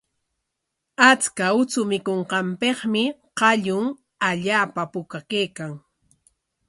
Achka uchu mikunqanpikmi qallun allaapa puka kaykan.